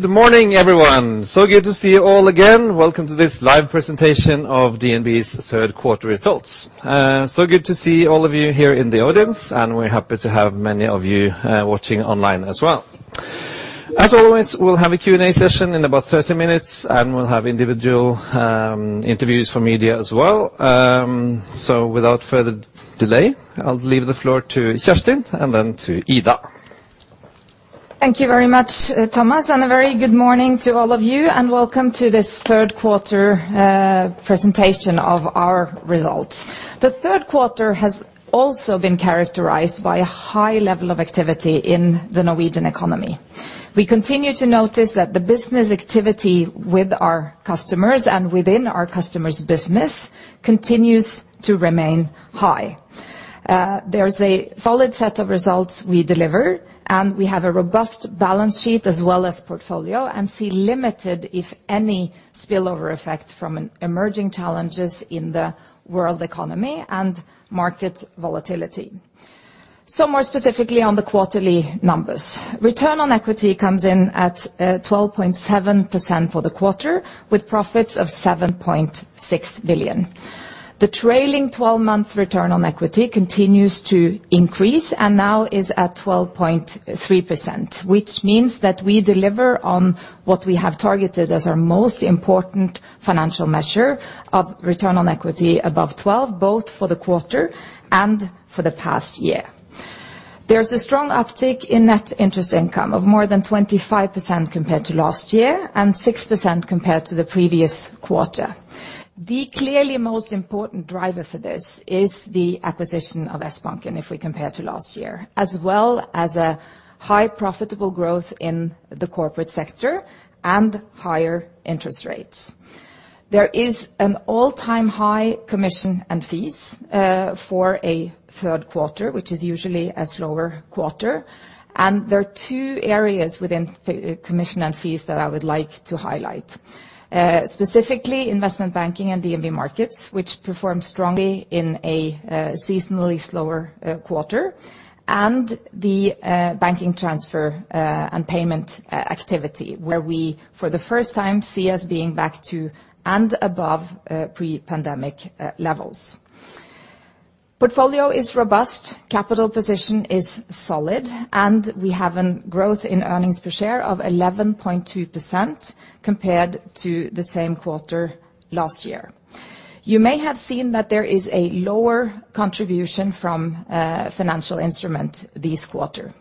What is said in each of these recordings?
Good morning, everyone. Good to see you all again. Welcome to this live presentation of DNB's 1/3 1/4 results. Good to see all of you here in the audience, and we're happy to have many of you watching online as well. As always, we'll have a Q&A session in about 30 minutes, and we'll have individual interviews for media as well. Without further delay, I'll leave the floor to Kjerstin and then to Ida. Thank you very much, Thomas, and a very good morning to all of you. Welcome to this 1/3 1/4 presentation of our results. The 1/3 1/4 has also been characterized by a high level of activity in the Norwegian economy. We continue to notice that the business activity with our customers and within our customers' business continues to remain high. There's a solid set of results we deliver, and we have a robust balance sheet as well as our portfolio, and we see limited, if any, spillover effect from any emerging challenges in the world economy and market volatility. More specifically on the quarterly numbers. Return on equity comes in at 12.7% for the 1/4, with profits of 7.6 billion. The trailing twelve-month return on equity continues to increase and now is at 12.3%, which means that we deliver on what we have targeted as our most important financial measure of return on equity above 12%, both for the 1/4 and for the past year. There's a strong uptick in net interest income of more than 25% compared to last year and 6% compared to the previous 1/4. The clearly most important driver for this is the acquisition of Sbanken if we compare to last year, as well as a high profitable growth in the corporate sector and higher interest rates. There is an All-Time high commission and fees for a 1/3 1/4, which is usually a slower 1/4, and there are 2 areas within commission and fees that I would like to highlight. Specifically investment banking and DNB Markets, which perform strongly in a seasonally slower 1/4, and the transaction banking and payment activity where we, for the first time, see us being back to and above pre-pandemic levels. Portfolio is robust, capital position is solid, and we have a growth in earnings per share of 11.2% compared to the same 1/4 last year. You may have seen that there is a lower contribution from financial instrument this 1/4.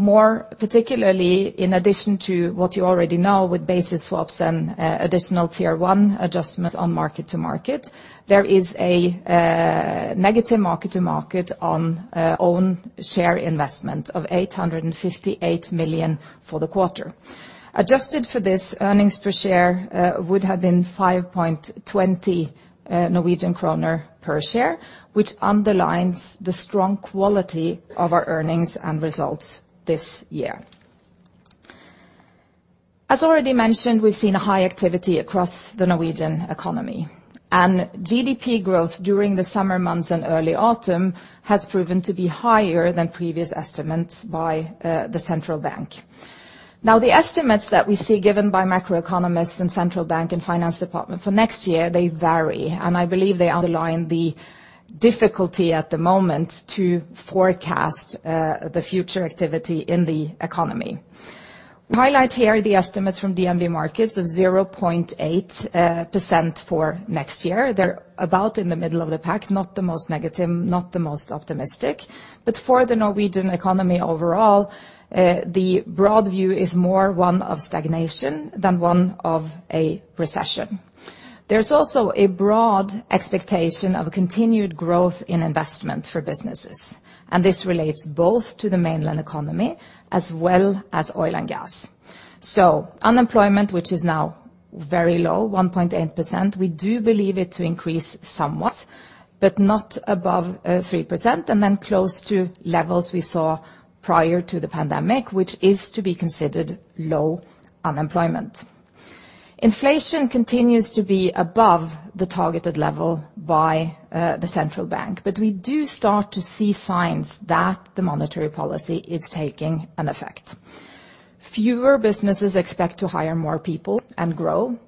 More particularly, in addition to what you already know with basis swaps and Additional Tier 1 adjustments on Mark-To-Market, there is a negative Mark-To-Market on own share investment of 858 million for the 1/4. Adjusted for this, earnings per share would have been 5.20 Norwegian kroner per share, which underlines the strong quality of our earnings and results this year. As already mentioned, we've seen a high activity across the Norwegian economy, and GDP growth during the summer months and early autumn has proven to be higher than previous estimates by the central bank. Now, the estimates that we see given by macroeconomists and central bank and Ministry of Finance for next year, they vary, and I believe they underline the difficulty at the moment to forecast the future activity in the economy. Highlight here the estimates from DNB Markets of 0.8% for next year. They're about in the middle of the pack, not the most negative, not the most optimistic. For the Norwegian economy overall, the broad view is more one of stagnation than one of a recession. There's also a broad expectation of continued growth in investment for businesses, and this relates both to the mainland economy as well as oil and gas. Unemployment, which is now very low, 1.8%, we do believe it to increase somewhat, but not above 3%, and then close to levels we saw prior to the pandemic, which is to be considered low unemployment. Inflation continues to be above the targeted level by the central bank, but we do start to see signs that the monetary policy is taking an effect. Fewer businesses expect to hire more people and grow.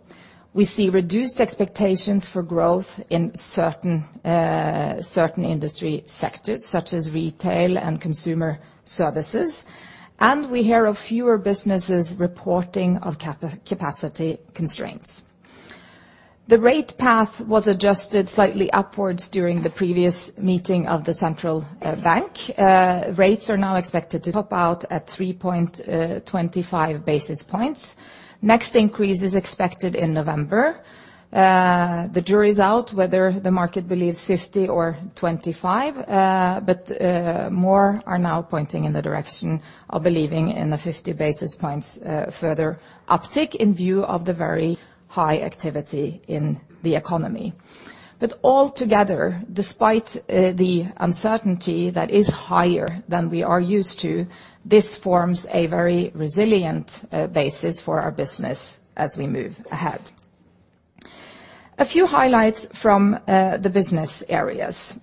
We see reduced expectations for growth in certain industry sectors such as retail and consumer services, and we hear of fewer businesses reporting of capacity constraints. The rate path was adjusted slightly upwards during the previous meeting of the central bank. Rates are now expected to top out at 3.25 basis points. Next increase is expected in November. The jury's out whether the market believes 50 or 25, but more are now pointing in the direction of believing in a 50 basis points further uptick in view of the very high activity in the economy. Altogether, despite the uncertainty that is higher than we are used to, this forms a very resilient basis for our business as we move ahead. A few highlights from the business areas.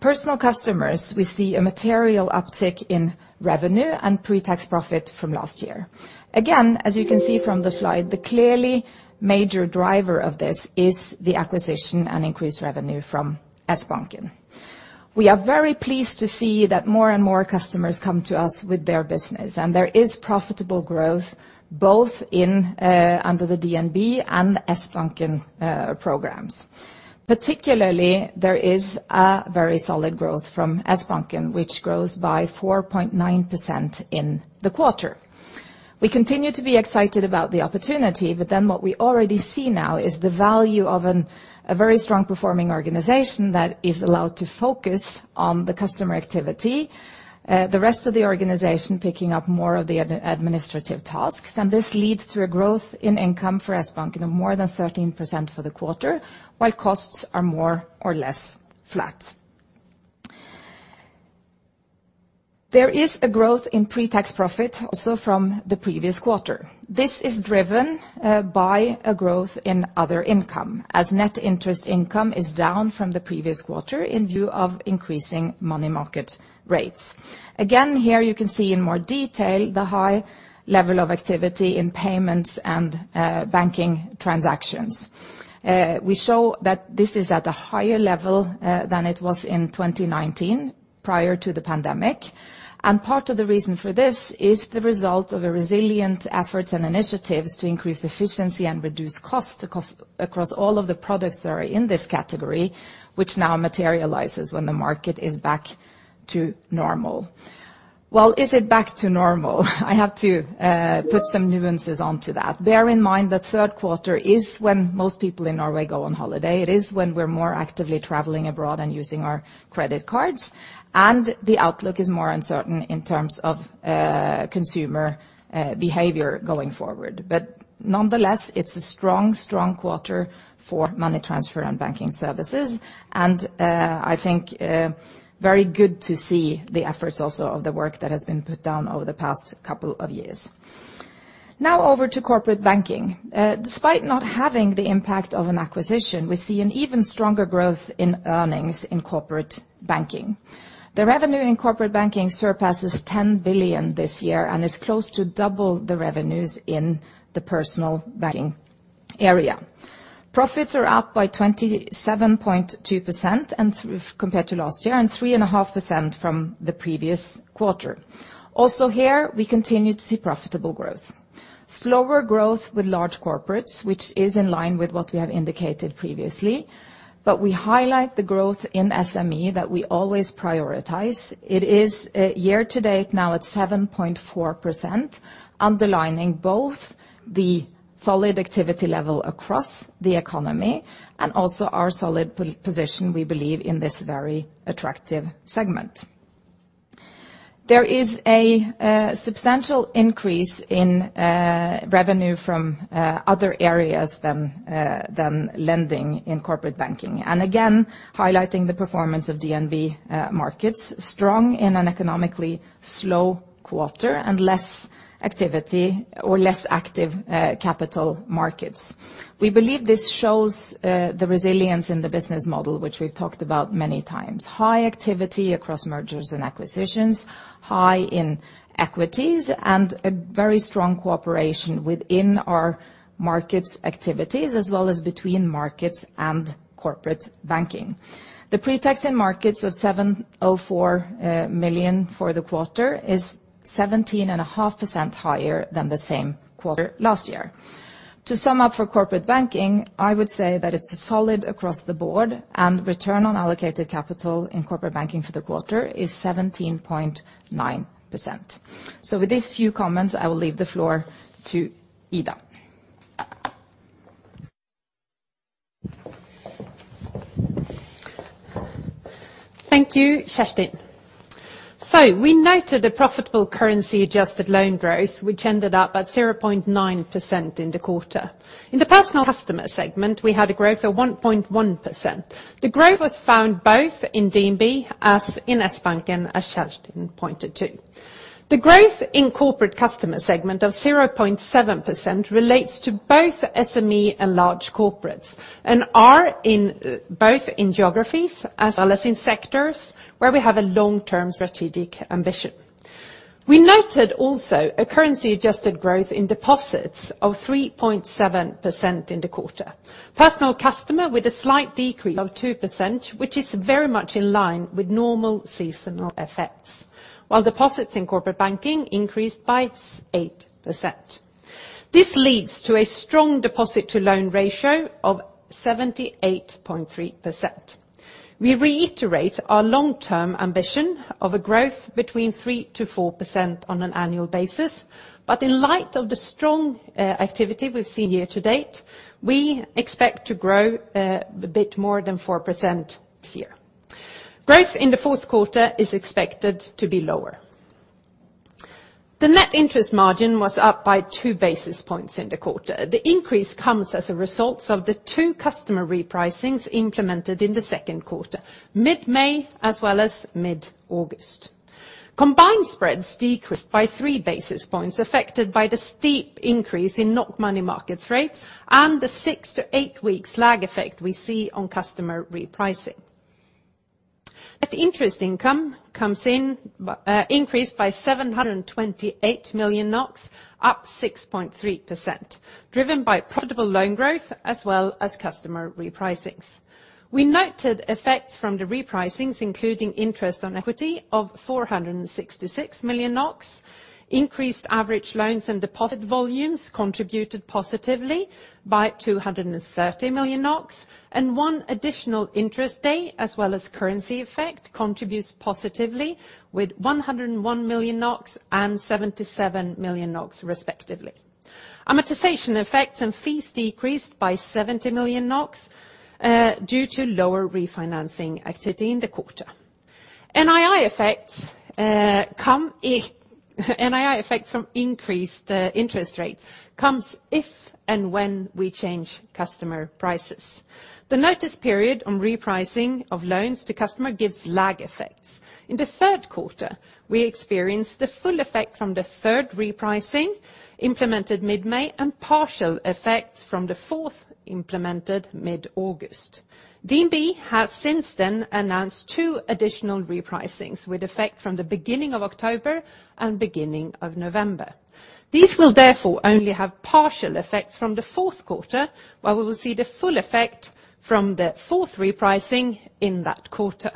Personal customers, we see a material uptick in revenue and pre-tax profit from last year. Again, as you can see from the slide, the clearly major driver of this is the acquisition and increased revenue from Sbanken. We are very pleased to see that more and more customers come to us with their business, and there is profitable growth both in and under the DNB and Sbanken programs. Particularly, there is a very solid growth from Sbanken, which grows by 4.9% in the 1/4. We continue to be excited about the opportunity, but then what we already see now is the value of a very strong performing organization that is allowed to focus on the customer activity. The rest of the organization picking up more of the administrative tasks, and this leads to a growth in income for Sbanken of more than 13% for the 1/4, while costs are more or less flat. There is a growth in pre-tax profit also from the previous 1/4. This is driven by a growth in other income, as net interest income is down from the previous 1/4 in view of increasing money market rates. Again, here you can see in more detail the high level of activity in payments and banking transactions. We show that this is at a higher level than it was in 2019 prior to the pandemic. Part of the reason for this is the result of a resilient efforts and initiatives to increase efficiency and reduce costs across all of the products that are in this category, which now materializes when the market is back to normal. Well, is it back to normal? I have to put some nuances onto that. Bear in mind that 1/3 1/4 is when most people in Norway go on holiday. It is when we're more actively traveling abroad and using our credit cards, and the outlook is more uncertain in terms of consumer behavior going forward. Nonetheless, it's a strong 1/4 for money transfer and banking services, and I think very good to see the efforts also of the work that has been put down over the past couple of years. Now over to corporate banking. Despite not having the impact of an acquisition, we see an even stronger growth in earnings in corporate banking. The revenue in corporate banking surpasses 10 billion this year and is close to double the revenues in the personal banking area. Profits are up by 27.2% compared to last year and 3.5% from the previous 1/4. Also here, we continue to see profitable growth. Slower growth with large corporates, which is in line with what we have indicated previously, but we highlight the growth in SME that we always prioritize. It is year to date now at 7.4%, underlining both the solid activity level across the economy and also our solid position we believe in this very attractive segment. There is a substantial increase in revenue from other areas than lending in corporate banking, and again, highlighting the performance of DNB Markets, strong in an economically slow 1/4 and less activity or less active capital markets. We believe this shows the resilience in the business model, which we've talked about many times. High activity across mergers and acquisitions, high in equities, and a very strong cooperation within our markets activities, as well as between markets and corporate banking. The pre-tax in markets of 704 million for the 1/4 is 17.5% higher than the same 1/4 last year. To sum up for corporate banking, I would say that it's solid across the board and return on allocated capital in corporate banking for the 1/4 is 17.9%. With these few comments, I will leave the floor to Ida. Thank you, Kjerstin. We noted a profitable currency adjusted loan growth, which ended up at 0.9% in the 1/4. In the personal customer segment, we had a growth of 1.1%. The growth was found both in DNB and in Sbanken, as Kjerstin pointed to. The growth in corporate customer segment of 0.7% relates to both SME and large corporates, both in geographies as well as in sectors where we have a long-term strategic ambition. We noted also a currency adjusted growth in deposits of 3.7% in the 1/4. Personal customer with a slight decrease of 2%, which is very much in line with normal seasonal effects, while deposits in corporate banking increased by 8%. This leads to a strong deposit to loan ratio of 78.3%. We reiterate our long-term ambition of a growth between 3%-4% on an annual basis, but in light of the strong activity we've seen here to date, we expect to grow a bit more than 4% this year. Growth in the fourth 1/4 is expected to be lower. The net interest margin was up by 2 basis points in the 1/4. The increase comes as a result of the 2 customer repricings implemented in the second 1/4, Mid-May as well as Mid-August. Combined spreads decreased by 3 basis points affected by the steep increase in NOK money market rates and the 6-8 weeks lag effect we see on customer repricing. Net interest income increased by 728 million NOK, up 6.3%, driven by profitable loan growth as well as customer repricings. We noted effects from the repricings, including interest on equity of 466 million NOK. Increased average loans and deposit volumes contributed positively by 230 million NOK. One additional interest day, as well as currency effect, contributes positively with 101 million NOK and 77 million NOK respectively. Amortization effects and fees decreased by 70 million NOK due to lower refinancing activity in the 1/4. NII effects from increased interest rates comes if and when we change customer prices. The notice period on repricing of loans to customer gives lag effects. In the 1/3 1/4, we experienced the full effect from the 1/3 repricing implemented Mid-May and partial effects from the fourth implemented Mid-August. DNB has since then announced 2 additional repricings, with effect from the beginning of October and beginning of November. These will therefore only have partial effects from the fourth 1/4, while we will see the full effect from the fourth repricing in that 1/4.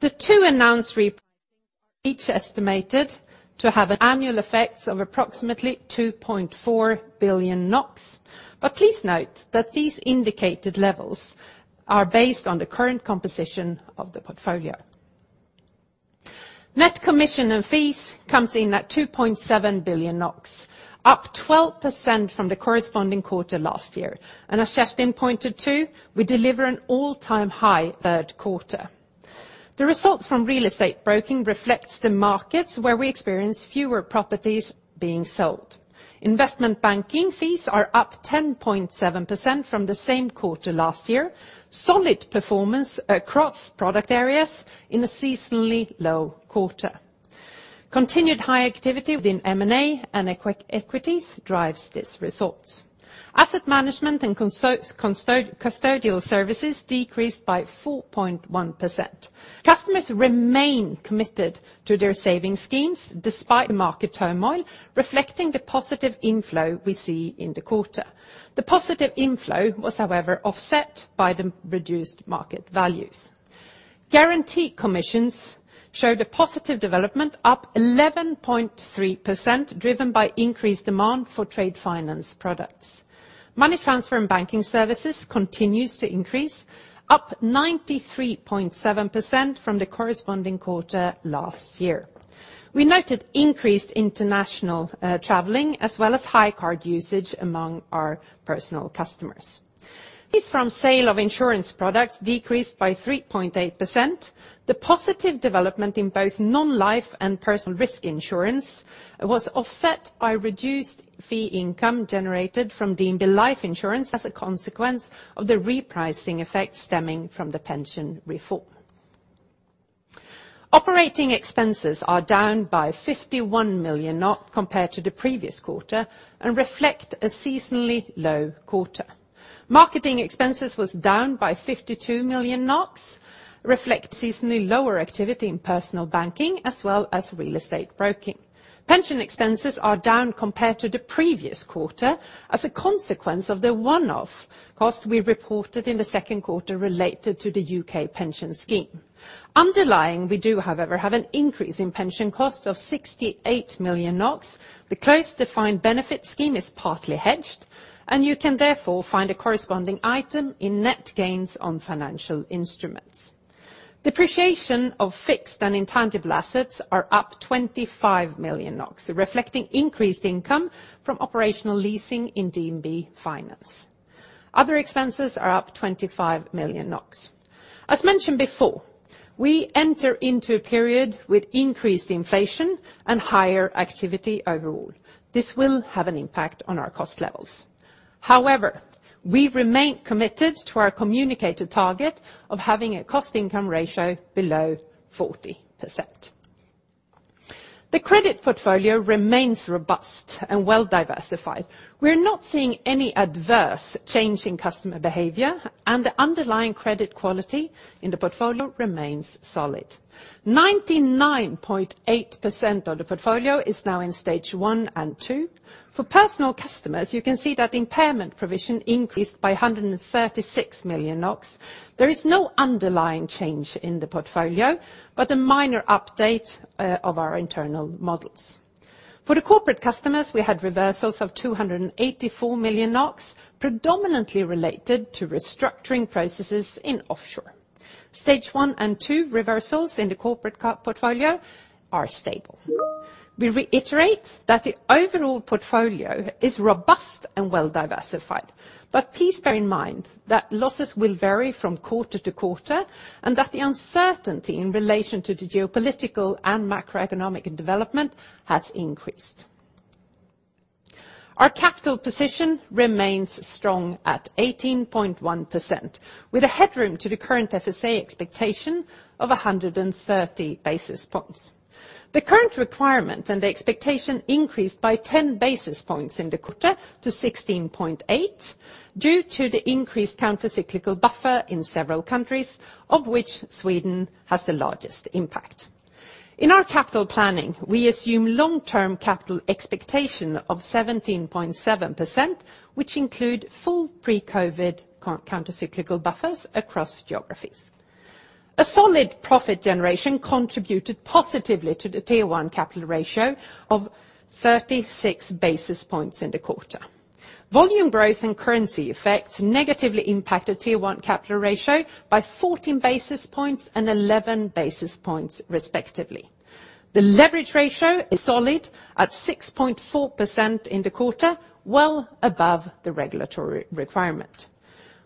The 2 announced repricing are each estimated to have an annual effects of approximately 2.4 billion NOK. Please note that these indicated levels are based on the current composition of the portfolio. Net commission and fees comes in at 2.7 billion NOK, up 12% from the corresponding 1/4 last year. As Kjerstin pointed to, we deliver an All-Time high 1/3 1/4. The results from real estate broking reflects the markets where we experience fewer properties being sold. Investment banking fees are up 10.7% from the same 1/4 last year. Solid performance across product areas in a seasonally low 1/4. Continued high activity within M&A and equities drives these results. Asset management and custodial services decreased by 4.1%. Customers remain committed to their saving schemes despite market turmoil reflecting the positive inflow we see in the 1/4. The positive inflow was, however, offset by the reduced market values. Guarantee commissions showed a positive development, up 11.3%, driven by increased demand for trade finance products. Money transfer and banking services continues to increase, up 93.7% from the corresponding 1/4 last year. We noted increased international traveling, as well as high card usage among our personal customers. Fees from sale of insurance products decreased by 3.8%. The positive development in both Non-Life and personal risk insurance was offset by reduced fee income generated from DNB Livsforsikring as a consequence of the repricing effect stemming from the pension reform. Operating expenses are down by 51 million compared to the previous 1/4 and reflect a seasonally low 1/4. Marketing expenses was down by 52 million NOK, reflect seasonally lower activity in personal banking as well as real estate broking. Pension expenses are down compared to the previous 1/4 as a consequence of the one-off cost we reported in the second 1/4 related to the U.K. pension scheme. Underlying, we do, however, have an increase in pension cost of 68 million NOK. The closed defined benefit scheme is partly hedged, and you can therefore find a corresponding item in net gains on financial instruments. Depreciation of fixed and intangible assets are up 25 million NOK, reflecting increased income from operational leasing in DNB Finance. Other expenses are up 25 million NOK. As mentioned before, we enter into a period with increased inflation and higher activity overall. This will have an impact on our cost levels. However, we remain committed to our communicated target of having a cost income ratio below 40%. The credit portfolio remains robust and well diversified. We're not seeing any adverse change in customer behavior, and the underlying credit quality in the portfolio remains solid. 99.8% of the portfolio is now in Stage 1 and 2. For personal customers, you can see that impairment provision increased by 136 million NOK. There is no underlying change in the portfolio, but a minor update of our internal models. For the corporate customers, we had reversals of 284 million NOK, predominantly related to restructuring processes in offshore. Stage 1 and 2 reversals in the corporate portfolio are stable. We reiterate that the overall portfolio is robust and well diversified. Please bear in mind that losses will vary from 1/4 to 1/4 and that the uncertainty in relation to the geopolitical and macroeconomic development has increased. Our capital position remains strong at 18.1%, with a headroom to the current FSA expectation of 130 basis points. The current requirement and the expectation increased by 10 basis points in the 1/4 to 16.8 due to the increased countercyclical buffer in several countries, of which Sweden has the largest impact. In our capital planning, we assume long-term capital expectation of 17.7%, which include full pre-COVID countercyclical buffers across geographies. A solid profit generation contributed positively to the Tier 1 capital ratio of 36 basis points in the 1/4. Volume growth and currency effects negatively impacted Tier 1 capital ratio by 14 basis points and 11 basis points respectively. The leverage ratio is solid at 6.4% in the 1/4, well above the regulatory requirement.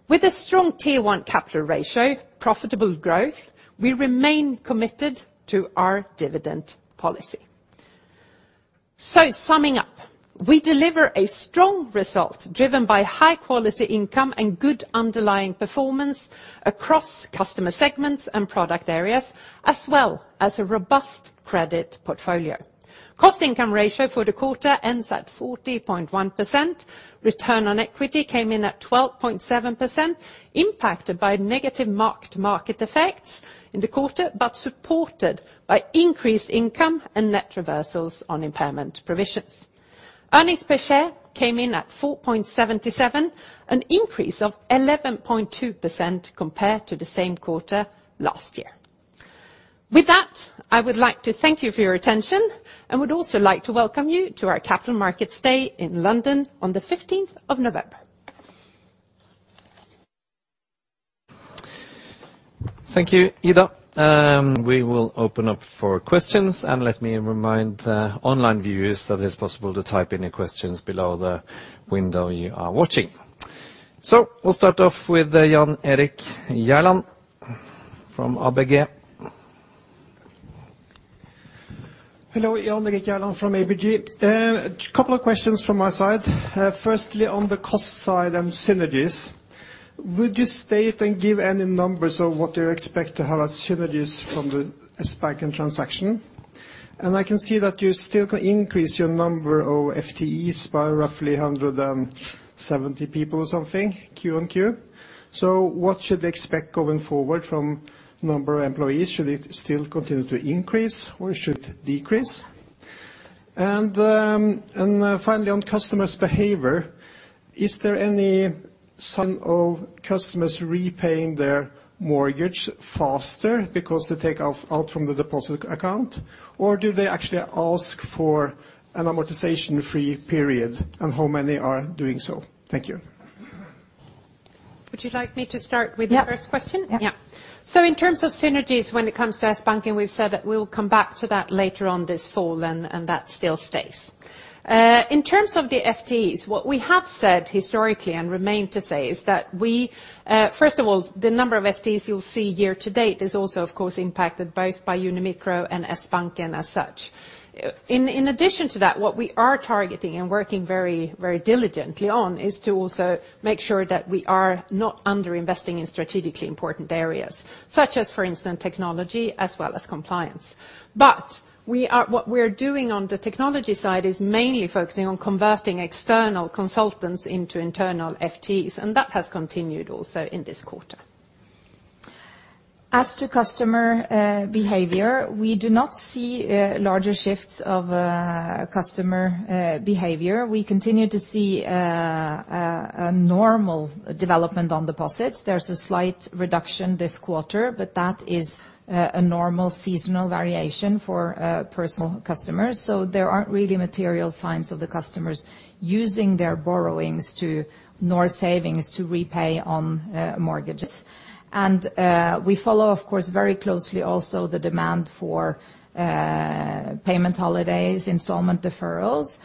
With a strong Tier 1 capital ratio, profitable growth, we remain committed to our dividend policy. Summing up, we deliver a strong result driven by high quality income and good underlying performance across customer segments and product areas, as well as a robust credit portfolio. Cost income ratio for the 1/4 ends at 40.1%. Return on equity came in at 12.7%, impacted by negative Mark-To-Market effects in the 1/4, but supported by increased income and net reversals on impairment provisions. Earnings per share came in at 4.77, an increase of 11.2% compared to the same 1/4 last year. With that, I would like to thank you for your attention and would also like to welcome you to our capital markets day in London on the fifteenth of November. Thank you, Ida. We will open up for questions, and let me remind the online viewers that it is possible to type any questions below the window you are watching. We'll start off with Jan Erik Gjerland from ABG. Hello, Jan Erik Gjerland from ABG Sundal Collier. A couple of questions from my side. Firstly, on the cost side and synergies. Would you state and give any numbers of what you expect to have as synergies from the Sbanken transaction? I can see that you still can increase your number of FTEs by roughly 170 people or something quarter-on-quarter. What should we expect going forward from number of employees? Should it still continue to increase or should decrease? And finally, on customers' behavior, is there any sign of customers repaying their mortgage faster because they take out from the deposit account? Or do they actually ask for an amortization-free period, and how many are doing so? Thank you. Would you like me to start with the first question? Yeah. Yeah. In terms of synergies, when it comes to Sbanken, we've said that we'll come back to that later on this fall and that still stays. In terms of the FTEs, what we have said historically and remain to say is that we first of all, the number of FTEs you'll see year to date is also of course impacted both by Uni Micro and Sbanken as such. In addition to that, what we are targeting and working very, very diligently on is to also make sure that we are not underinvesting in strategically important areas, such as, for instance, technology as well as compliance. But what we're doing on the technology side is mainly focusing on converting external consultants into internal FTEs, and that has continued also in this 1/4. As to customer behavior, we do not see larger shifts of customer behavior. We continue to see a normal development on deposits. There's a slight reduction this 1/4, but that is a normal seasonal variation for personal customers, so there aren't really material signs of the customers using their borrowings to, nor savings, to repay on mortgages. We follow, of course, very closely also the demand for payment holidays, installment deferrals.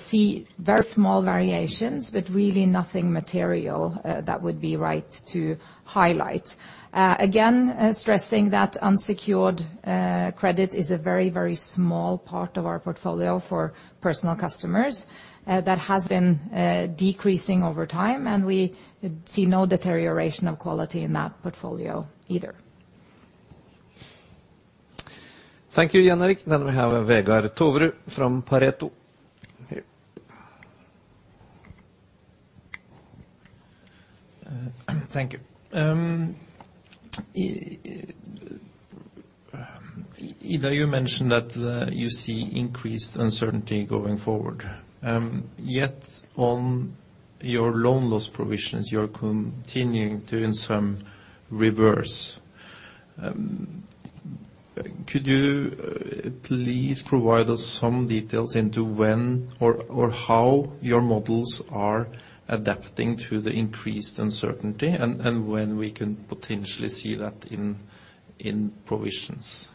See very small variations, but really nothing material that would be right to highlight. Again, stressing that unsecured credit is a very, very small part of our portfolio for personal customers that has been decreasing over time, and we see no deterioration of quality in that portfolio either. Thank you, Jan Erik. We have Vegard Toverud from Pareto. Thank you. Ida, you mentioned that you see increased uncertainty going forward. Yet on your loan loss provisions, you're continuing to reverse some. Could you please provide us some insight into when or how your models are adapting to the increased uncertainty and when we can potentially see that in provisions?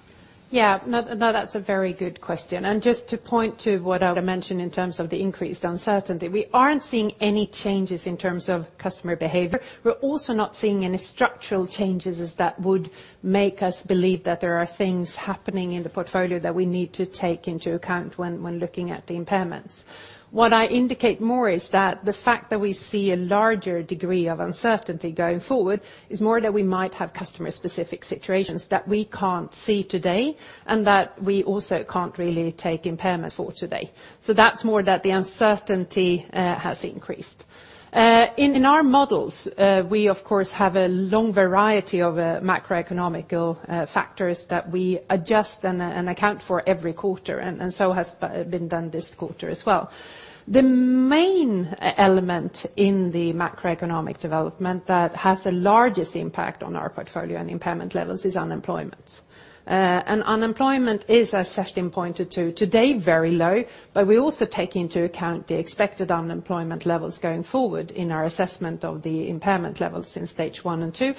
Yeah. No, no, that's a very good question. Just to point to what I mentioned in terms of the increased uncertainty, we aren't seeing any changes in terms of customer behavior. We're also not seeing any structural changes as that would make us believe that there are things happening in the portfolio that we need to take into account when looking at the impairments. What I indicate more is that the fact that we see a larger degree of uncertainty going forward is more that we might have customer specific situations that we can't see today and that we also can't really take impairment for today. That's more that the uncertainty has increased. In our models, we of course have a long variety of macroeconomic factors that we adjust and account for every 1/4 and so has been done this 1/4 as well. The The main element in the macroeconomic development that has the largest impact on our portfolio and impairment levels is unemployment. Unemployment is, as Kjerstin pointed to, today very low, but we also take into account the expected unemployment levels going forward in our assessment of the impairment levels in Stage 1 and 2.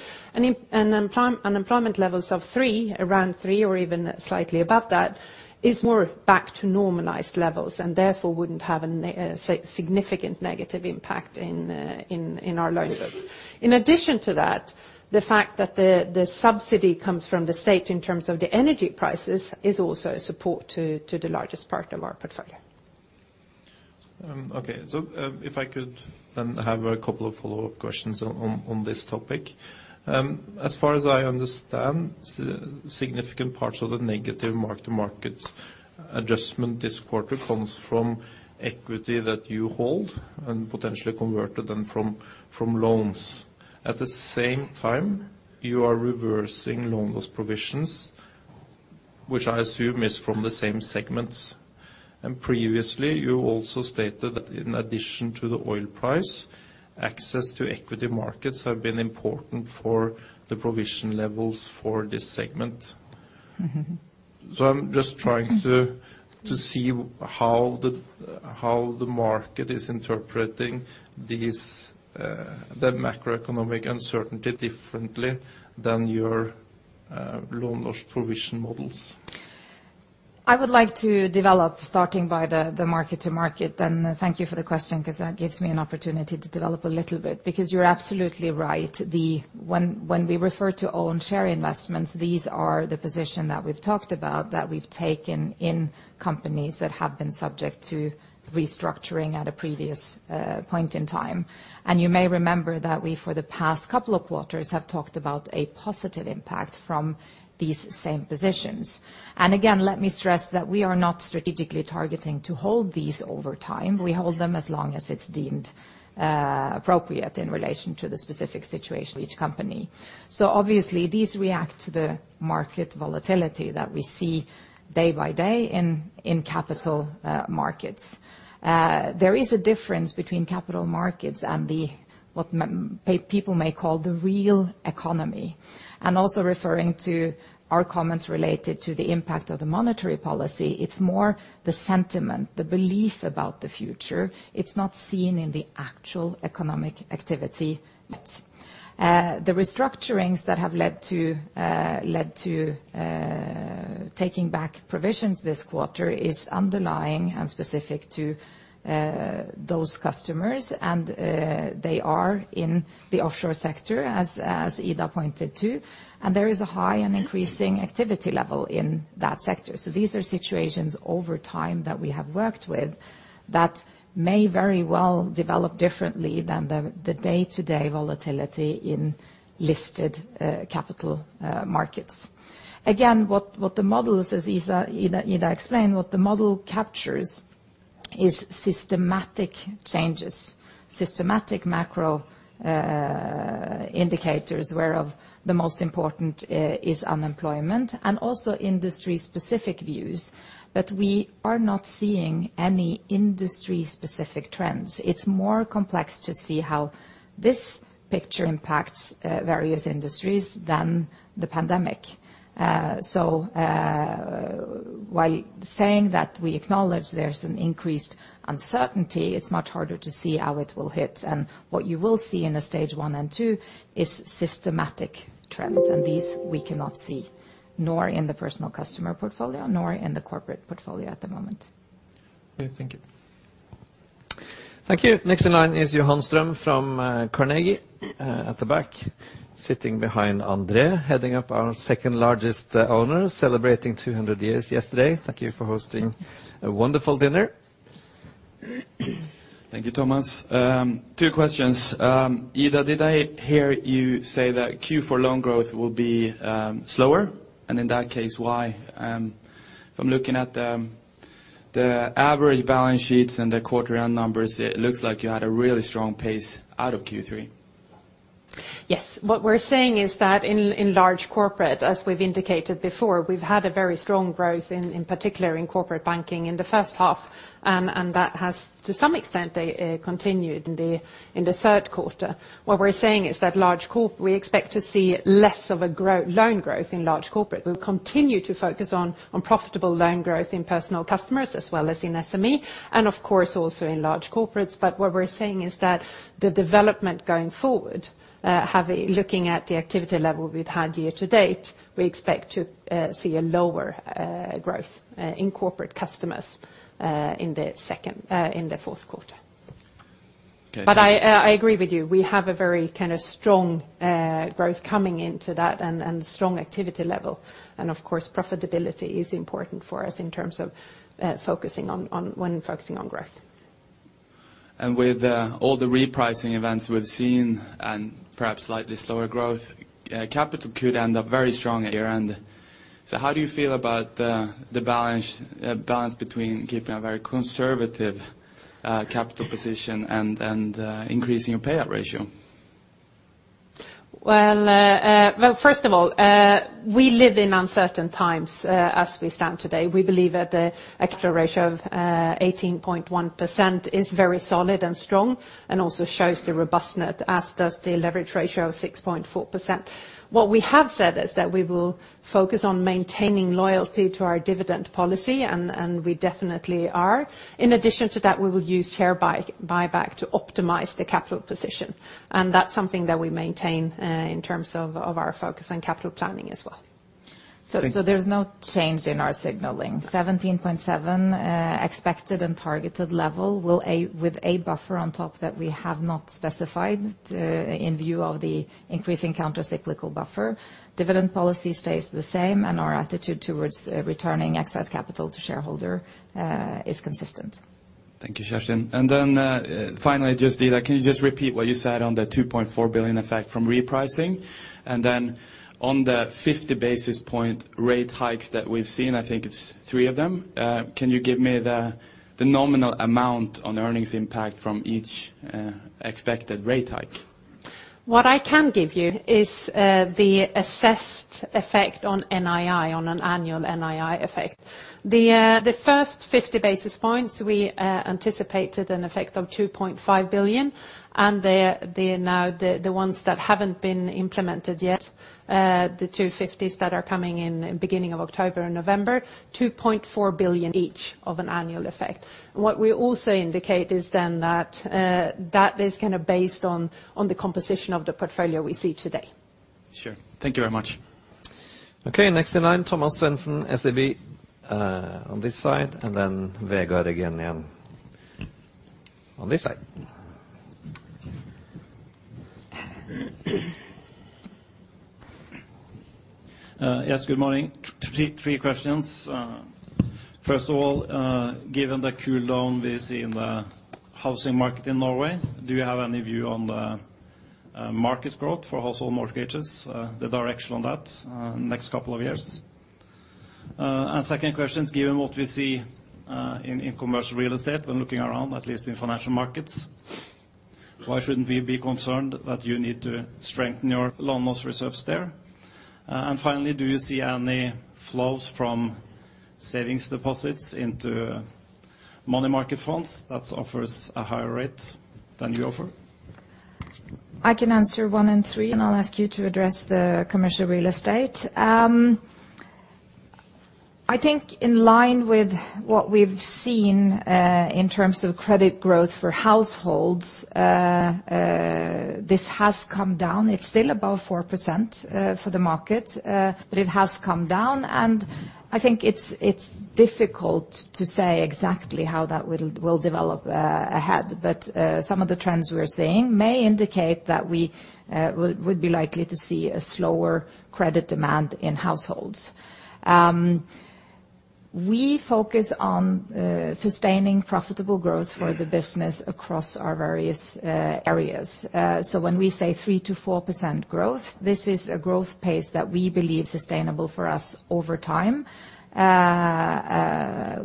Unemployment levels of 3%, around 3% or even slightly above that is more back to normalized levels and therefore wouldn't have a significant negative impact in our loan book. In addition to that, the fact that the subsidy comes from the state in terms of the energy prices is also a support to the largest part of our portfolio. Okay. If I could have a couple of Follow-Up questions on this topic. As far as I understand, significant parts of the negative Mark-To-Market adjustment this 1/4 comes from equity that you hold and potentially converted them from loans. At the same time, you are reversing loan loss provisions, which I assume is from the same segments. Previously, you also stated that in addition to the oil price, access to equity markets have been important for the provision levels for this segment. Mm-hmm. I'm just trying to. Mm. To see how the market is interpreting these, the macroeconomic uncertainty differently than your loan loss provision models. I would like to develop starting by the Mark-To-Market, and thank you for the question because that gives me an opportunity to develop a little bit. Because you're absolutely right. When we refer to own share investments, these are the position that we've talked about that we've taken in companies that have been subject to restructuring at a previous point in time. You may remember that we for the past couple of quarters have talked about a positive impact from these same positions. Again, let me stress that we are not strategically targeting to hold these over time. We hold them as long as it's deemed appropriate in relation to the specific situation of each company. So obviously these react to the market volatility that we see day by day in capital markets. There is a difference between capital markets and the, what people may call the real economy. Also referring to our comments related to the impact of the monetary policy, it's more the sentiment, the belief about the future. It's not seen in the actual economic activity. The restructurings that have led to taking back provisions this 1/4 is underlying and specific to those customers, and they are in the offshore sector, as Ida pointed to, and there is a high and increasing activity level in that sector. These are situations over time that we have worked with that may very well develop differently than the Day-To-Day volatility in listed capital markets. What the models, as Ida explained, what the model captures is systematic changes, systematic macro indicators where one of the most important is unemployment and also industry specific views that we are not seeing any industry specific trends. It's more complex to see how this picture impacts various industries than the pandemic. While saying that we acknowledge there's an increased uncertainty, it's much harder to see how it will hit. What you will see in the Stage 1 and 2 is systematic trends. These we cannot see, nor in the personal customer portfolio, nor in the corporate portfolio at the moment. Okay, thank you. Thank you. Next in line is Johan Strøm from Carnegie, at the back, sitting behind André, heading up our second largest owner, celebrating 200 years yesterday. Thank you for hosting a wonderful dinner. Thank you, Thomas. Two questions. Ida, did I hear you say that Q4 loan growth will be slower? In that case, why? If I'm looking at the average balance sheets and the 1/4-end numbers, it looks like you had a really strong pace out of Q3. Yes. What we're saying is that in large corporate, as we've indicated before, we've had a very strong growth in particular in corporate banking in the first 1/2, and that has to some extent continued in the 1/3 1/4. What we're saying is that we expect to see less of a loan growth in large corporate. We'll continue to focus on profitable loan growth in personal customers as well as in SME and of course also in large corporates. What we're saying is that the development going forward. Looking at the activity level we've had year to date, we expect to see a lower growth in corporate customers in the fourth 1/4. Okay. I agree with you. We have a very kind of strong growth coming into that and strong activity level. Of course, profitability is important for us in terms of focusing on when focusing on growth. With all the repricing events we've seen and perhaps slightly slower growth, capital could end up very strong at year-end. How do you feel about the balance between keeping a very conservative capital position and increasing your payout ratio? Well, first of all, we live in uncertain times, as we stand today. We believe that the equity ratio of 18.1% is very solid and strong, and also shows the robustness, as does the leverage ratio of 6.4%. What we have said is that we will focus on maintaining loyalty to our dividend policy, and we definitely are. In addition to that, we will use share buyback to optimize the capital position, and that's something that we maintain in terms of our focus on capital planning as well. Thank you. There's no change in our signaling. 17.7% expected and targeted level with a buffer on top that we have not specified in view of the increasing countercyclical buffer. Dividend policy stays the same, and our attitude towards returning excess capital to shareholder is consistent. Thank you, Kjerstin. Finally, just Ida, can you just repeat what you said on the 2.4 billion effect from repricing? On the 50 basis point rate hikes that we've seen, I think it's 3 of them, can you give me the nominal amount on earnings impact from each expected rate hike? What I can give you is the assessed effect on NII, on an annual NII effect. The first 50 basis points, we anticipated an effect of 2.5 billion, and they're now the ones that haven't been implemented yet. The 2 50s that are coming in beginning of October and November, 2.4 billion each of an annual effect. What we also indicate is then that that is kinda based on the composition of the portfolio we see today. Sure. Thank you very much. Okay, next in line, Thomas Svendsen, SEB, on this side, and then Vegard again on this side. Yes, good morning. Three questions. First of all, given the cool down we see in the housing market in Norway, do you have any view on the market growth for household mortgages, the direction on that, next couple of years? Second question is, given what we see in commercial real estate when looking around, at least in financial markets, why shouldn't we be concerned that you need to strengthen your loan loss reserves there? Finally, do you see any flows from savings deposits into money market funds that offers a higher rate than you offer? I can answer one and 3, and I'll ask you to address the commercial real estate. I think in line with what we've seen in terms of credit growth for households, this has come down. It's still above 4% for the market, but it has come down. I think it's difficult to say exactly how that will develop ahead. Some of the trends we're seeing may indicate that we would be likely to see a slower credit demand in households. We focus on sustaining profitable growth for the business across our various areas. When we say 3%-4% growth, this is a growth pace that we believe sustainable for us over time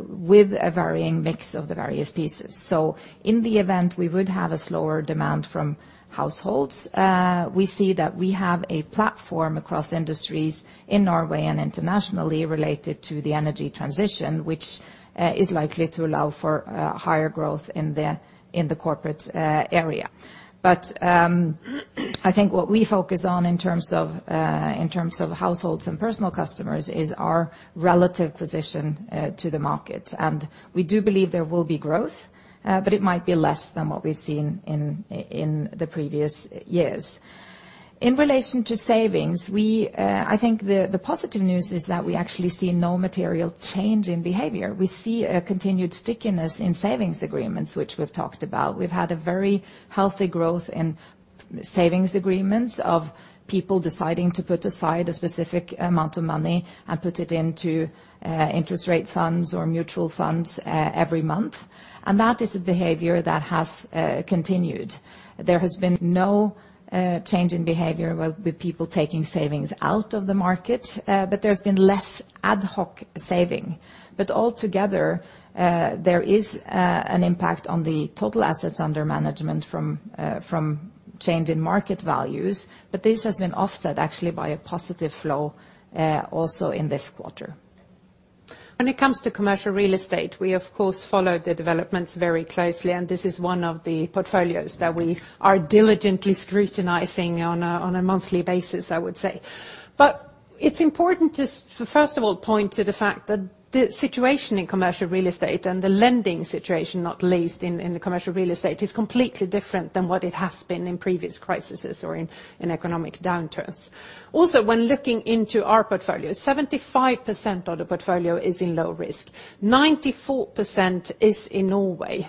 with a varying mix of the various pieces. In the event we would have a slower demand from households, we see that we have a platform across industries in Norway and internationally related to the energy transition, which is likely to allow for higher growth in the corporate area. I think what we focus on in terms of households and personal customers is our relative position to the market. We do believe there will be growth, but it might be less than what we've seen in the previous years. In relation to savings, I think the positive news is that we actually see no material change in behavior. We see a continued stickiness in savings agreements, which we've talked about. We've had a very healthy growth in savings agreements of people deciding to put aside a specific amount of money and put it into interest rate funds or mutual funds every month. That is a behavior that has continued. There has been no change in behavior with people taking savings out of the market, but there's been less ad hoc saving. Altogether, there is an impact on the total assets under management from change in market values, but this has been offset actually by a positive flow also in this 1/4. When it comes to commercial real estate, we of course follow the developments very closely, and this is one of the portfolios that we are diligently scrutinizing on a monthly basis, I would say. It's important to first of all point to the fact that the situation in commercial real estate and the lending situation, not least in the commercial real estate, is completely different than what it has been in previous crises or economic downturns. Also, when looking into our portfolio, 75% of the portfolio is in low risk, 94% is in Norway.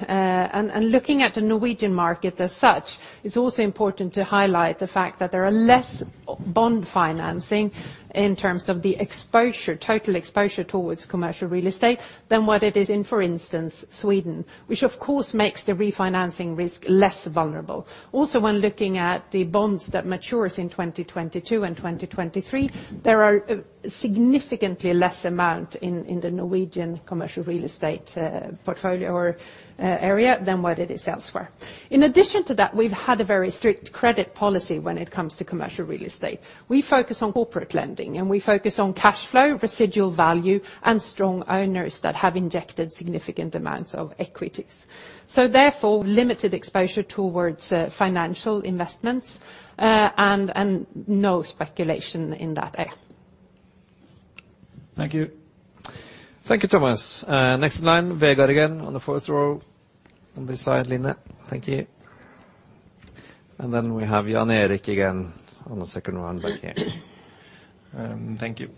Looking at the Norwegian market as such, it's also important to highlight the fact that there are less bond financing in terms of the exposure, total exposure towards commercial real estate than what it is in, for instance, Sweden, which of course makes the refinancing risk less vulnerable. Also, when looking at the bonds that matures in 2022 and 2023, there are significantly less amount in the Norwegian commercial real estate portfolio or area than what it is elsewhere. In addition to that, we've had a very strict credit policy when it comes to commercial real estate. We focus on corporate lending, and we focus on cash flow, residual value, and strong owners that have injected significant amounts of equities. Therefore, limited exposure towards financial investments and no speculation in that area. Thank you. Thank you, Thomas. Next in line, Vegard again on the fourth row on this side. Line, thank you. We have Jan Erik again on the second row on that camera. Thank you.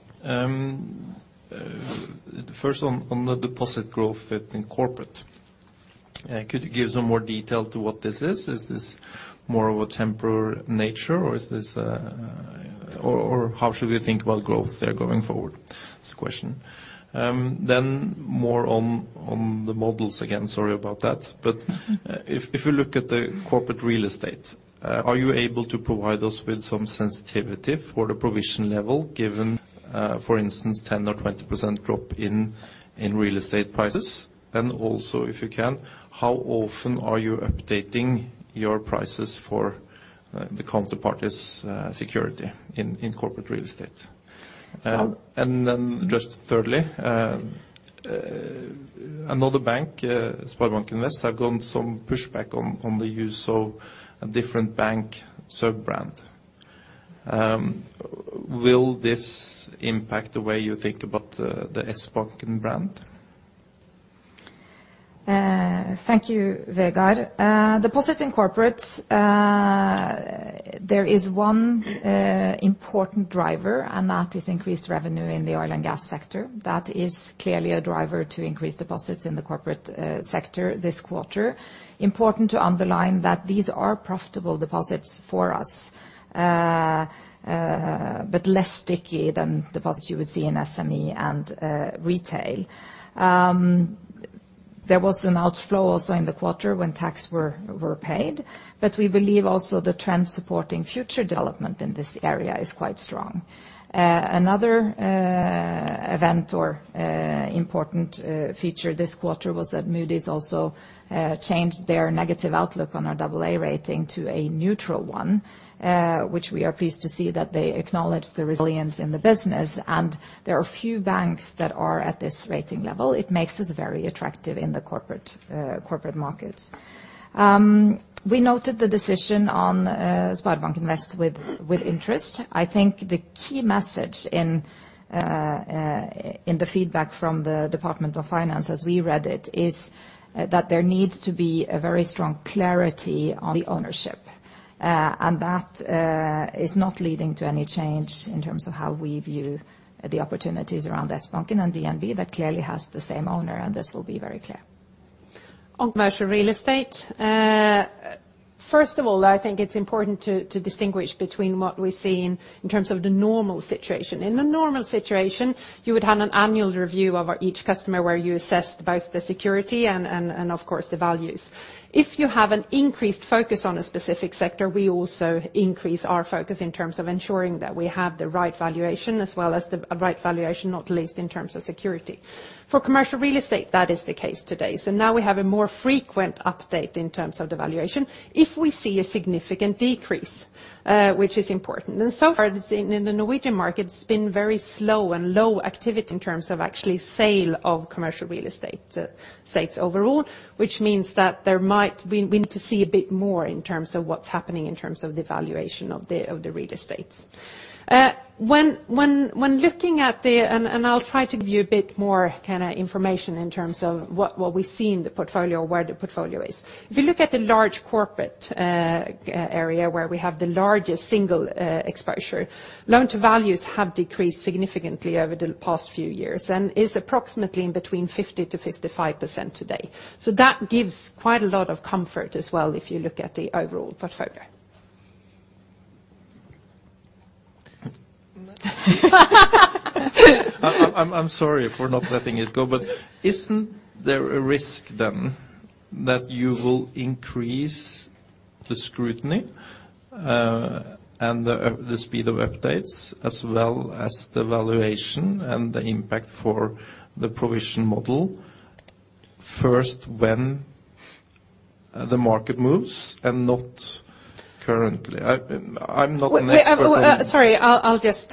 First on the deposit growth in corporate, could you give some more detail to what this is? Is this more of a temporary nature or how should we think about growth there going forward, is the question. More on the models again. Sorry about that. If you look at the corporate real estate, are you able to provide us with some sensitivity for the provision level given, for instance, 10%-20% drop in real estate prices? And also, if you can, how often are you updating your prices for the counterparties' security in corporate real estate? So- Just 1/3ly, another bank, Sparebanken Vest, have gotten some pushback on the use of a different bank sub-brand. Will this impact the way you think about the Sbanken brand? Thank you, Vegard. Deposits in corporates, there is one important driver, and that is increased revenue in the oil and gas sector. That is clearly a driver to increase deposits in the corporate sector this 1/4. Important to underline that these are profitable deposits for us, but less sticky than deposits you would see in SME and retail. There was an outflow also in the 1/4 when tax were paid, but we believe also the trend supporting future development in this area is quite strong. Another event or important feature this 1/4 was that Moody's also changed their negative outlook on our Aa rating to a neutral one, which we are pleased to see that they acknowledge the resilience in the business. There are few banks that are at this rating level. It makes us very attractive in the corporate market. We noted the decision on Sparebanken Vest with interest. I think the key message in the feedback from the Ministry of Finance as we read it is that there needs to be a very strong clarity on the ownership. That is not leading to any change in terms of how we view the opportunities around Sbanken and DNB, that clearly has the same owner, and this will be very clear. On commercial real estate, first of all, I think it's important to distinguish between what we see in terms of the normal situation. In a normal situation, you would have an annual review of our each customer, where you assess both the security and of course the values. If you have an increased focus on a specific sector, we also increase our focus in terms of ensuring that we have the right valuation as well as a right valuation, not the least in terms of security. For commercial real estate, that is the case today. Now we have a more frequent update in terms of the valuation if we see a significant decrease, which is important. So far, in the Norwegian market, it's been very slow and low activity in terms of actual sale of commercial real estate estates overall, which means that we need to see a bit more in terms of what's happening in terms of the valuation of the real estates. I'll try to give you a bit more kinda information in terms of what we see in the portfolio, where the portfolio is. If you look at the large corporate area where we have the largest single exposure, Loan-To-Values have decreased significantly over the past few years, and is approximately between 50%-55% today. That gives quite a lot of comfort as well if you look at the overall portfolio. I'm sorry for not letting it go, but isn't there a risk then that you will increase the scrutiny, and the speed of updates as well as the valuation and the impact for the provision model first when the market moves and not currently? I'm not an expert on- Sorry, I'll just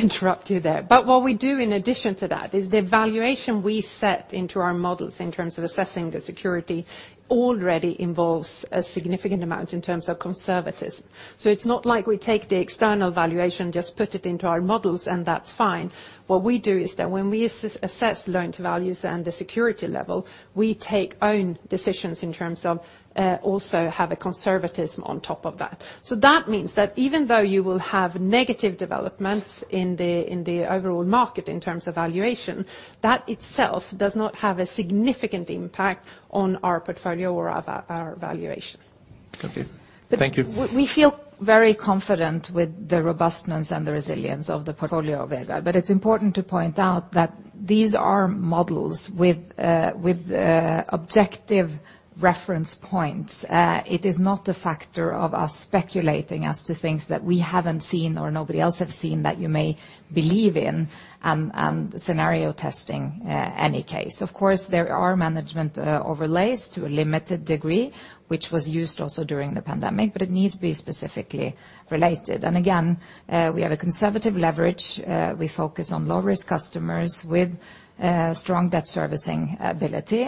interrupt you there. What we do in addition to that is the valuation we set into our models in terms of assessing the security already involves a significant amount in terms of conservatism. It's not like we take the external valuation, just put it into our models, and that's fine. What we do is that when we assess Loan-To-Values and the security level, we take our own decisions in terms of also having a conservatism on top of that. That means that even though you will have negative developments in the overall market in terms of valuation, that itself does not have a significant impact on our portfolio or our valuation. Okay. Thank you. We feel very confident with the robustness and the resilience of the portfolio, Vegard. It is important to point out that these are models with objective reference points. It is not a factor of us speculating as to things that we haven't seen or nobody else have seen that you may believe in and scenario testing in any case. Of course, there are management overlays to a limited degree, which was used also during the pandemic, but it needs to be specifically related. We have a conservative leverage. We focus on low-risk customers with strong debt servicing ability.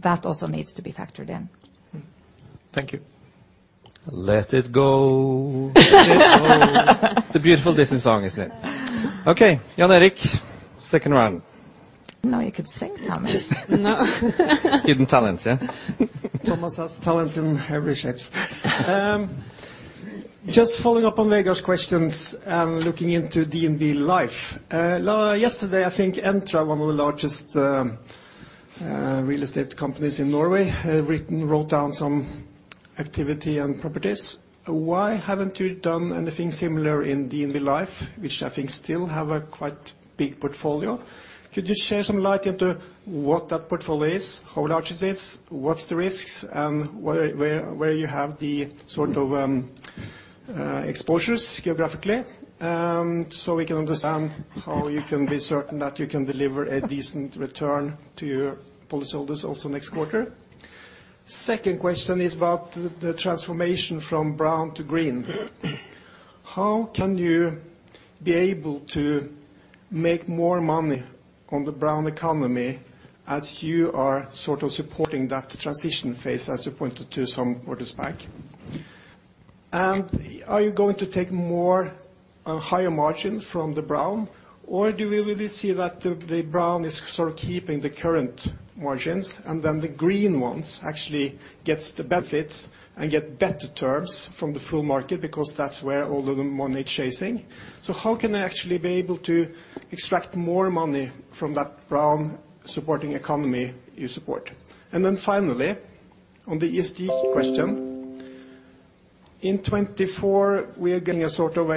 That also needs to be factored in. Thank you. Let it go. The beautiful Disney song, isn't it? Okay, Jan Erik, second round. I didn't know you could sing, Thomas. Hidden talent, yeah. Thomas has talent in every shapes. Just following up on Vegard's questions and looking into DNB Life. Yesterday, I think Entra, one of the largest real estate companies in Norway, wrote down some activity and properties. Why haven't you done anything similar in DNB Life, which I think still have a quite big portfolio? Could you shed some light into what that portfolio is, how large it is, what's the risks and where you have the sort of exposures geographically, so we can understand how you can be certain that you can deliver a decent return to your policyholders also next 1/4? Second question is about the transformation from brown to green. How can you be able to make more money on the brown economy as you are sort of supporting that transition phase, as you pointed to some quarters back? Are you going to take more, a higher margin from the brown, or do you really see that the brown is sort of keeping the current margins, and then the green ones actually gets the benefits and get better terms from the full market because that's where all of the money chasing? How can I actually be able to extract more money from that brown supporting economy you support? Then finally, on the ESG question, in 2024 we are getting a sort of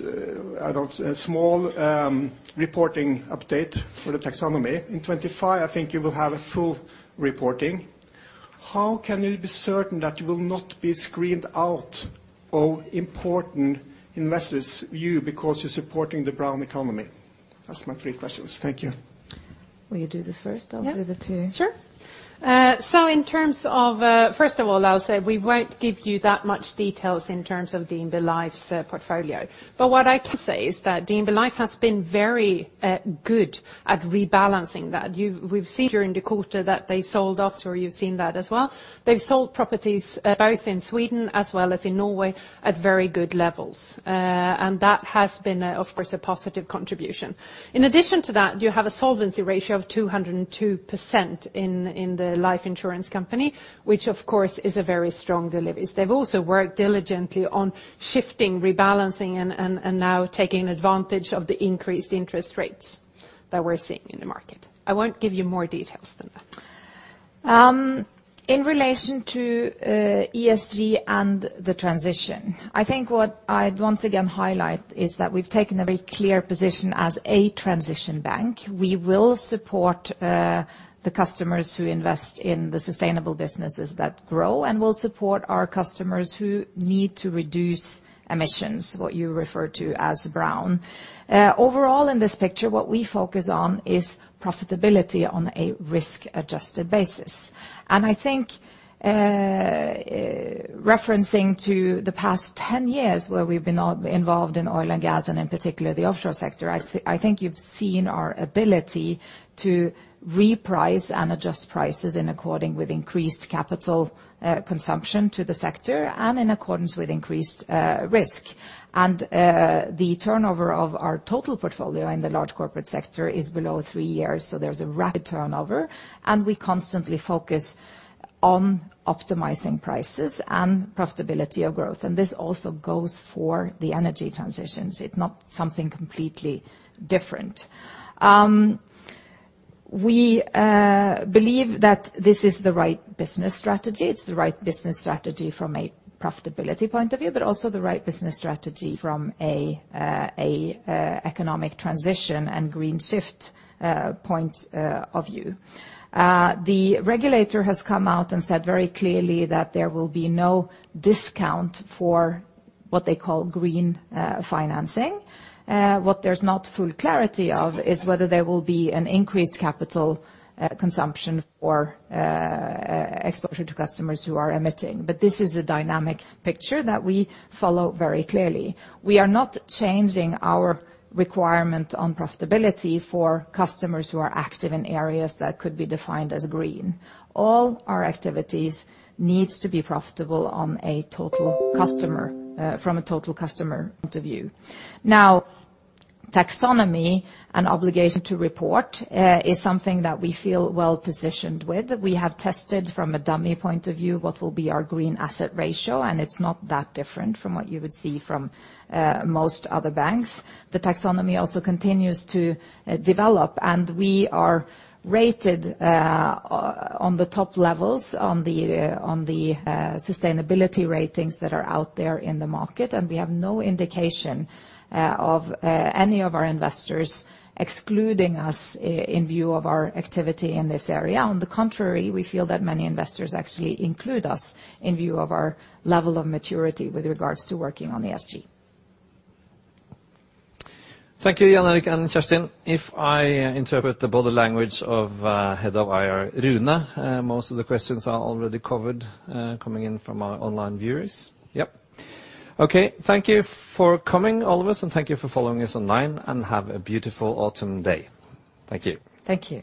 a small reporting update for the taxonomy. In 2025, I think you will have a full reporting. How can you be certain that you will not be screened out of important investors' view because you're supporting the brown economy? That's my 3 questions. Thank you. Will you do the first? Yeah. I'll do the 2. Sure. So in terms of... First of all, I'll say we won't give you that much details in terms of DNB Life's portfolio, but what I can say is that DNB Life has been very good at rebalancing that. We've seen during the 1/4 that they sold off, sure you've seen that as well. They've sold properties both in Sweden as well as in Norway at very good levels. That has been, of course, a positive contribution. In addition to that, you have a solvency ratio of 202% in the life insurance company, which of course is a very strong deliveries. They've also worked diligently on shifting, rebalancing and now taking advantage of the increased interest rates that we're seeing in the market. I won't give you more details than that. In relation to ESG and the transition, I think what I'd once again highlight is that we've taken a very clear position as a transition bank. We will support the customers who invest in the sustainable businesses that grow and will support our customers who need to reduce emissions, what you refer to as brown. Overall, in this picture, what we focus on is profitability on a risk-adjusted basis. I think, referring to the past 10 years where we've been involved in oil and gas and in particular the offshore sector, I think you've seen our ability to reprice and adjust prices in accordance with increased capital consumption to the sector and in accordance with increased risk. The turnover of our total portfolio in the large corporate sector is below 3 years, so there's a rapid turnover, and we constantly focus on optimizing prices and profitability of growth. This also goes for the energy transitions. It's not something completely different. We believe that this is the right business strategy. It's the right business strategy from a profitability point of view, but also the right business strategy from a economic transition and green shift point of view. The regulator has come out and said very clearly that there will be no discount for what they call green financing. What there's not full clarity of is whether there will be an increased capital consumption for exposure to customers who are emitting, but this is a dynamic picture that we follow very clearly. We are not changing our requirement on profitability for customers who are active in areas that could be defined as green. All our activities needs to be profitable from a total customer point of view. Now, taxonomy and obligation to report is something that we feel well positioned with. We have tested from a dummy point of view what will be our Green Asset Ratio, and it's not that different from what you would see from most other banks. The taxonomy also continues to develop, and we are rated on the top levels on the sustainability ratings that are out there in the market, and we have no indication of any of our investors excluding us in view of our activity in this area. On the contrary, we feel that many investors actually include us in view of our level of maturity with regards to working on ESG. Thank you, Jan Erik and Kjerstin. If I interpret the body language of head of IR, Rune, most of the questions are already covered, coming in from our online viewers. Yep. Okay. Thank you for coming, all of us, and thank you for following us online, and have a beautiful autumn day. Thank you. Thank you.